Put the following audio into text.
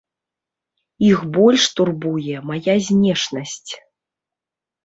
Іх больш турбуе мая знешнасць.